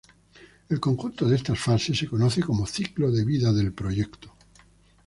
El conjunto de estas fases se conoce como ciclo de vida del proyecto.